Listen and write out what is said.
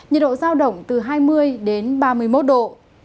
nhiệt độ giao động từ hai mươi đến ba mươi một độ